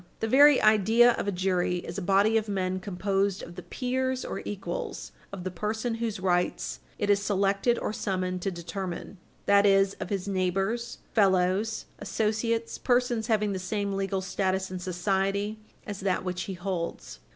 The very idea of a jury is a body of men composed of the peers or equals of the person whose rights it is selected or summoned to determine that is, of his neighbors, fellows, associates, persons having the same legal status in society as that which he holds.